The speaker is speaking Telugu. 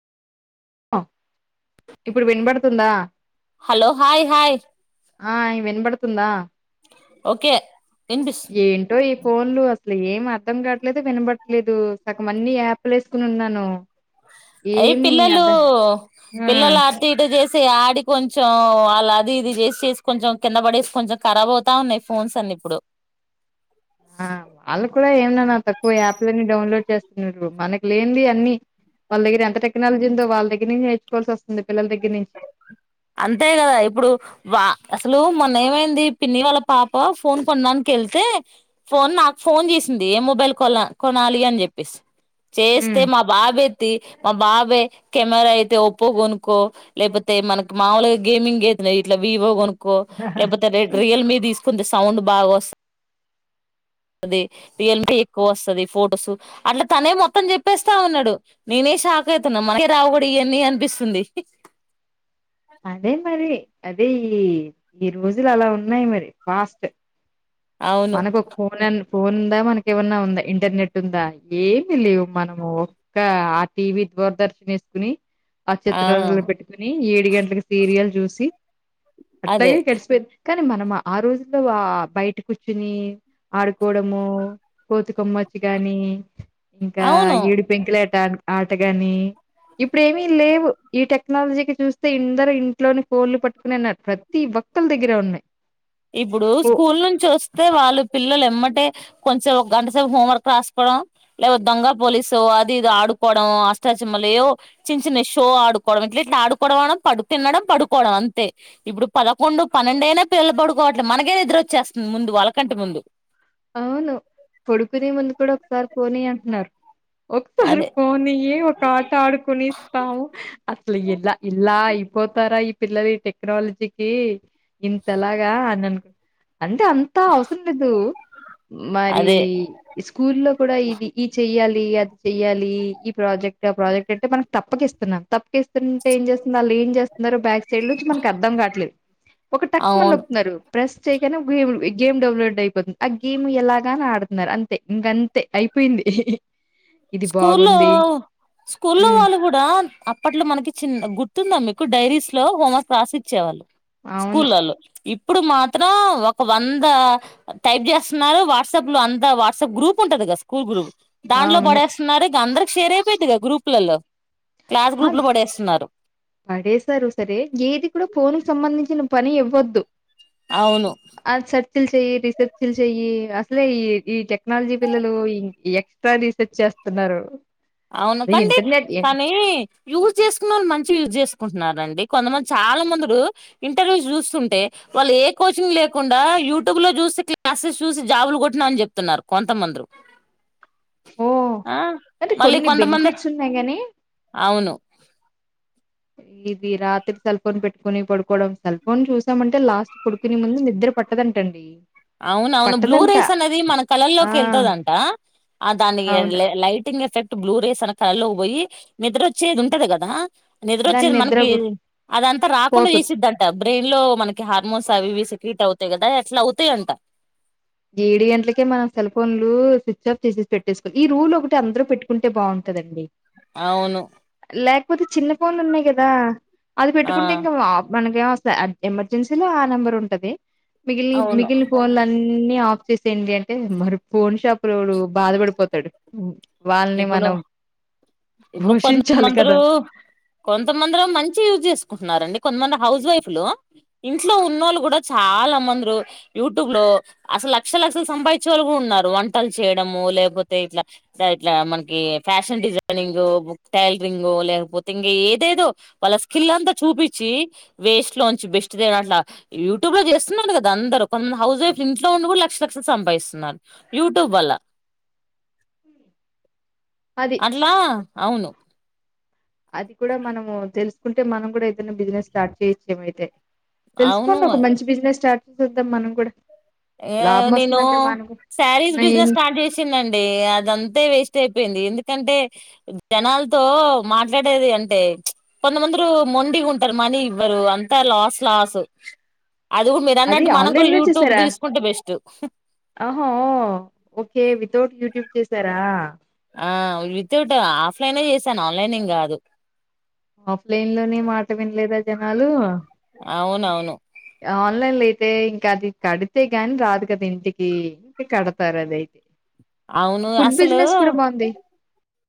అ ఇప్పుడు వినబడుతుందా? హలో హాయ్ హాయ్ ఆయ్ వినబడుతుందా? ఒకే ఇన్పిస్ ఏంటో ఈ ఫోన్లు అసలు ఏం అర్ధం కాట్లేదు, వినబట్లేదు సగం అన్ని యాప్లు వేసుకుని ఉన్నాను. ఏమి అద ఓ పిల్లల ఆత్త ఇటు చేస్ సె ఆడి కొంచెం వాళ్ళ అది ఇది చేసి చేసి కొంచెం కింద పడేసి కొంచెం ఖరాబ్ అవుతా ఉన్నాయి ఫోన్స్ అన్ని. ఇప్పుడు ఆ ఆళ్ళు కూడా ఏ న్నా నా తక్కువ యాప్లని డౌన్లోడ్ చేస్తున్నరు మనకు లేంది అన్ని. వాళ్ళ దగ్గర ఎంత టెక్నాలీజ్ ఉందో వాళ్ళ దగ్గర నుంచినేర్చుకోవాల్సి వస్తుంది పిల్లల్ దగ్గర నుంచి. అంతే కదా ఇప్పుడు వా అసలు మొన్న ఏమైంది. పిన్ని వాళ్ళ పాప ఫోన్ కొన్నాడానికి ఎల్తే ఫోన్ నాకు ఫోన్ చేసింది ఏ మొబైల్ కొలా కొనాలి అని చెప్పేస్ చేస్త్ హ్మ్ మా బాబు ఎత్తి మ బాబె కెమెరా అయితే ఒప్పో కొనుక్కో లెక్పోతే మన మామూలుగా గేమింగ్ గేతన ఇట్లా వీవో కొనుక్కో లేకపోతే రెడ్ రియల్మీ తీసుకుంది సౌండ్ బాగొస్ ది రియల్మి ఎక్కువ వస్తది ఫొటోసు అట్ల తనే మొత్తం చెప్పేస్తా ఉన్నాడు నేనే ఎ షాక్ అయితున్నం మనకే రావు కూడా ఇయన్నీ అన్పిస్తుంది. అదే మరి అదే ఈ ఇ రోజులు అలా ఉన్నాయి. మరి ఫాస్ట్ అవును మనకు ఒక ఫోనన్ ఫోన్ ఉందా మనకి ఏమన్నా ఉందా ఇంటర్నెట్ ఉందా ఏమి లేవు. మనము ఒక్క ఆ టీవీ దూరదర్శన్ వేసుకుని ఆ చిత్రలో పెట్టుకుని ఏడు గంట్లకు సీరియల్ చూసి అదే అట్లాగే గడిసిపోయింద్ కానీ మనం అ ఆ రోజుల్లో ఆ బయట కూర్చుని ఆడుకోడము, కోతికొమ్మచ్చి గాని ఇంకా అవును యేడు పెంకులేట ఆటగాని ఇప్పుడ్ ఏమి లేవు. ఈట క్నాలజీకి చూస్తే ఇందరు ఇంట్లోని ఫోన్లు పట్టుకునే ఉన్నారు. ప్రతి ఒక్కల్ దగ్గర ఉన్నాయి ఇపుడు ఫో స్కూల్ నుంచి ఒస్ తే వాళ్ళు పిల్లల్ ఎమ్మటే కొంచెం ఒక గంట సేపు హోంవర్క్ రస్కోడం లేకపోతే దొంగ పోలీసో అది ఇది ఆడుకోవడం అష్టాచమల్ ఏవో చిన్న చిన్నయ్ షో ఆడుకోవడం ఇట్లా ఇట్లా ఆడుకోవడం పన్డు తిన్ డం పడుకోవడం అంతే ఇప్పుడు పదకొండు పన్నెండు ఏళ్ల పిల్లలు పడుకో గొ అట్ల మనకే నిద్రొచ్చేస్తుంద్ ముందు వాళ్ళకంటే ముందు. అవును పడుకునే ముందు కూడా ఒక్సారి పోన్ ఇయ్ అంటున్నారు. ఒకసారి అదే ఫోనియ్యి ఒక ఆట ఆడుకుని ఇస్తాము. అస్లు ఇల్ల ఇల్లాయ్ అయిపోతారా ఈ పిల్లల్ ఈ టెక్నాలజీకి ఇంతెలాగా అనన్ అంటే అంత అవసరం లేదు మరీ అదే స్కూల్లో కూడ ఇది ఈ ఎయ్యాలి అద్ చెయ్యాలి ఈ ప్రాజెక్ట్ ఆ ప్రాజెక్ట్ అంటే మనకు తప్పకిస్తున్నాం తప్పకిస్తుంటే ఏం చే వాల్ ఎంచేస్తున్నారో బ్యాక్ సైడ్ లొ నుంచి మానాకి అర్థంకట్లే ఒక్కట్ టాక్ మణి అవును నొకుతున్నారు ప్రెస్ చై [unintelligible] గేమ్ డౌన్లోడ్ అయిపోతుంది. ఆ గేమ్ ఎలాగా ఆడుతున్నారు అంతే ఇంక అంతే అయిపోయింది. ఇది స్కూల్లో బాగుంది స్కూల్లో ఉమ్ వాళ్ళు కూడ అప్పట్లో మనకి చిన్న గుర్తుంద మీకు డైరీస్ ల్లో వాళ్లక్ రాస్ ఇచ్చేవాళ్ళు అవును స్కూల్లలో ఇ ఇప్పుడు మాత్రం ఒక వంద టైప్ చేస్తున్నారు వాట్సాప్ లో అంత వాట్సాప్ గ్రూప్ ఉంటది ఎస్ స్కూల్ గురు దాంట్లో అవును పడేస్తున్నారు ఇంకా అందరికి షేర్ అయిపోయిది గా గ్రూపుల్లో క్లాస్ ఆ గ్రూప్ లో పడేస్తున్నారు పడేశారు సరే ఏది కూడా ఫోన్ [unintelligible] పని ఇవ్వద్దు అవును తిల్చే తీస్కచ్ తిల్చేయి అసలే ఈ ఈ టెక్నాలజీ పిల్లలు ఎట్లా రీసెర్చ్ తున్నారు అవును కండి కానీ యూస్ చేసుకున్నోల్ మంచి యూ జెస్ కుంటున్ర్ అండి కొంతమంది చాలా మందురూ ఇంటర్వ్యూస్ చూస్తుంటే వాళ్ళు ఏ కోచింగ్ లేకుండా యూట్యూబ్ లో చూసి క్లాసెస్ చూసి జాబులు కొట్టిన అని చెప్తున్నారు కొంతమందృ ఓ ఆ అంటే మళ్ళీ కొన్ని కొంతమంది బెనిఫిట్స్ ఉన్నాయి గాని అవును ఇది రాత్రి తల్ ఫోన్ పెట్టుకుని పడుకోవడం సెల్ ఫోన్ చూసామంటే లాస్ట్ పడుకునే ముందు నిద్ర పట్టదంటండి అవునవును బ్లూ పట్టదంట రేస్ అనేది మన కలల్ ఆ లోకి వెళ్తుదంట ఆ దాని అవును లైటింగ్ ఎఫెక్ట్ బ్లూ రేస్ అన కాల్లో పోయి నిద్ర వచ్చేది ఉంటది కదా నిద్ర దాని వచ్చేది మనకి బు అదంతా రాకుండ పోతది చేసిద్దంట బ్రెయిన్ లో మనకి హార్మోన్స్ అవి ఇవి సెక్కట్ అవుతాయి కదా అట్ల అవుతయంట ఏడ్ గంటలకే మనం సెల్ ఫోన్లు స్విచ్ ఆఫ్ చేసేసి పేటిస్లో ఈ రూల్ ఒకటి అందరు పెట్టుకుంటే బా కదండి అవును లేకపోతే చిన్న ఫోన్లు ఉన్నాయి కదా అది ఆ పెట్టుకుంటే ఇంక వ మనకేం ఎమర్జెన్సీలో ఆ నంబర్ ఉంటది మిగిల్ అవును మిగిన్ల ఫొన్ అన్ అన్ని ఆఫ్ చేసేయండి అంటే మరి ఫోన్ షాప్ లోడు బాధ పడిపోతడు వాళ్ళని ఇప్పుడు మనం ఇప్పుడు కొంత పోషించాలి కదా మందురు కొంతమందిలో మంచి యూజ్ చేసుకుంటున్నారండి కొంత్మంది హౌస్ వైఫ్లో ఇంట్లో ఉన్నోలు కూడా చాలా మంద్రూ యూట్యూబ్లో లక్షల్ లక్షల్ సంపాదించే వాళ్ళు కూడ ఉన్నారు వంటల్ చేయడము లేకపోతే ఇట్లా ఇట్లా మనకి ఫ్యాషన్ డిజైనింగ్ బ్యాక్ టైలరింగ్ గో లేకపోతే ఇంక ఏదేదో వాళ్ళ స్కిల్ ఇల్లంతా చూపిచి వేస్ట్ లోంచి బెస్ట్ డే అట్ల యూట్యూబ్ లో చేస్తున్నా కదా అందరు కొం హౌస్ వైఫ్ ఇంట్లో ఉండి కూడా లక్ష్ లక్షలు సంపాదిస్తున్నారు యూట్యూబ్ వల్ల అది అట్లా అవును అది కూడ మనము తెలుసుకుంటే మనం కూడా ఏదైనా బిస్నెస్ స్టార్ట్ చేయొచ్ ఏమో అయితే తెలుసుకోండి అవును ఒక మంచి బిజినెస్ స్టార్ట్ చే ధం మనం కూడ యే నేను శారీస్ నా ఏం బిజినెస్ స్టార్ట్ చేసిందిండి అదంతే వేస్ట్ అయి ఏందీ ఎందుకంటే జనాలతో మాట్లాడేది అంటే కొంతమందరూ మొండ్ డిగ్ ఉంటరు మనీ ఇవ్వరు అంతా లాస్ లాసు అది కూడ్ మీర్ అన్నట్ మనం కూడ యూట్యూబ్ థీస్ ఆహ ఉ ఒకే వితౌట్ యూట్యూబ్ చేసారా ఆ వితౌట్ ఆఫ్లైన్ చేశాను ఆన్లైన్ ఏం గాదు ఆఫ్లైన్ లోనే మాట వినలేదా జనాలూ అవునవును ఆన్లైన్ అయితే ఇంక అది కడితే గాని రాదు కదా ఇంటికి అందుక్ కడతారు అదయితే అవును ఫుడ్ అసలు బిజినెస్ కూడ బాంధీ